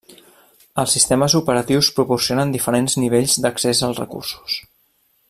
Els sistemes operatius proporcionen diferents nivells d'accés als recursos.